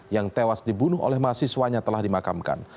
yang tewas dibunuh oleh mahasiswanya telah dimakamkan